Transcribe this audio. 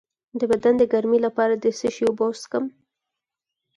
د بدن د ګرمۍ لپاره د څه شي اوبه وڅښم؟